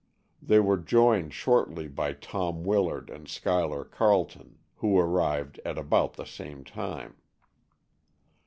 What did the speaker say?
They were joined shortly by Tom Willard and Schuyler Carleton, who arrived at about the same time.